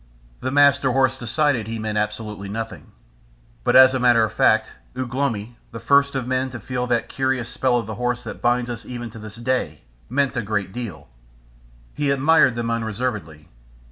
The Master Horse decided he meant absolutely nothing. But as a matter of fact, Ugh lomi, the first of men to feel that curious spell of the horse that binds us even to this day, meant a great deal. He admired them unreservedly.